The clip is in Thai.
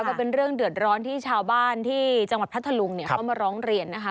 ก็เป็นเรื่องเดือดร้อนที่ชาวบ้านที่จังหวัดพัทธลุงเนี่ยเขามาร้องเรียนนะคะ